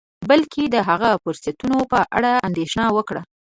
بلکې د هغه فرصتونو په اړه اندیښنه وکړه